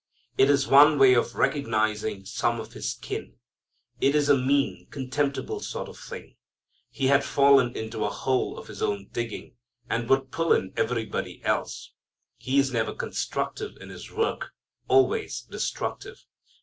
It is one way of recognizing some of his kin. It is a mean, contemptible sort of thing. He had fallen into a hole of his own digging, and would pull in everybody else. He is never constructive in his work, always destructive.